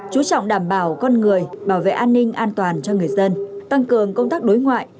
chú trọng đảm bảo con người bảo vệ an ninh an toàn cho người dân tăng cường công tác đối ngoại